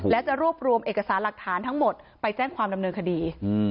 และจะรวบรวมเอกสารหลักฐานทั้งหมดไปแจ้งความดำเนินคดี